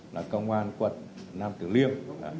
là công an quận nam tử liêm